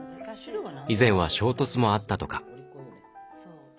以前は衝突もあったとか。